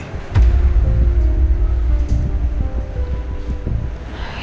tidak ada yang mau ngomong sama andin